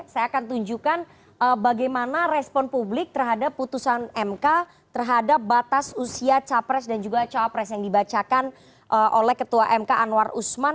saya akan tunjukkan bagaimana respon publik terhadap putusan mk terhadap batas usia capres dan juga cawapres yang dibacakan oleh ketua mk anwar usman